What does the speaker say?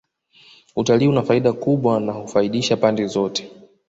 Utalii una faida kubwa na hufaidisha pande zote